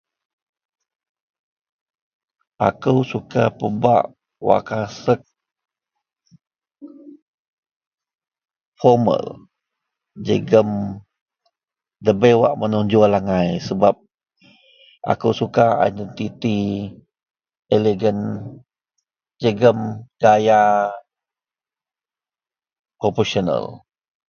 Aku suka pebak wasek formal jegam debai wak menonjol angai sebab aku suka identiti alagen jegam gaya profesional.